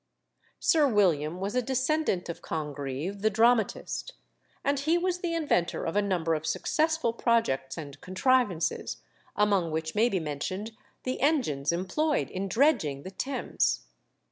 Sir William was a descendant of Congreve the dramatist; and he was the inventor of a number of successful projects and contrivances, among which may be mentioned the engines employed in dredging the Thames.